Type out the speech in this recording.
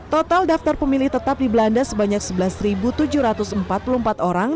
total daftar pemilih tetap di belanda sebanyak sebelas tujuh ratus empat puluh empat orang